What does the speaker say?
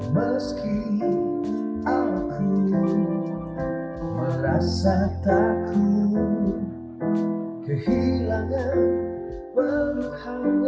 meski aku merasa takut